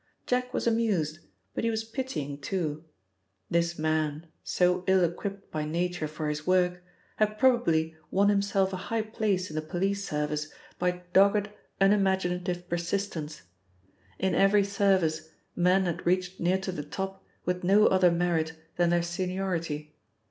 Jack was amused, but he was pitying, too. This man, so ill equipped by nature for his work, had probably won himself a high place in the police service by dogged unimaginative persistence. In every service men had reached near to the top with no other merit than their seniority.